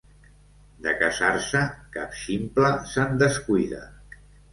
De casar-se, cap ximple se'n descuida.